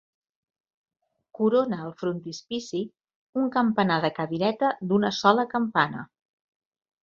Corona el frontispici un campanar de cadireta d'una sola campana.